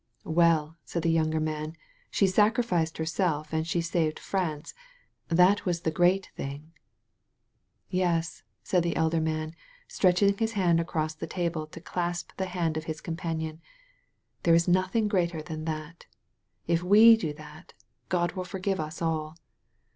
''WeQ/' said the younger man, ''she sacrificed herself and she saved France. That was the great thing." ''Yes>" said the elder man, stretching his hand across the table to clasp the hand of his companion* ''there is nothing greater than that. If we do that, Grod wUl forgive us all."